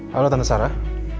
halo tante sarah